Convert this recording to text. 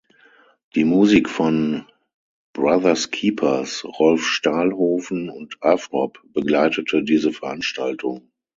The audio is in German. Die Musik von Brothers Keepers, Rolf Stahlhofen und Afrob begleitete diese Veranstaltung.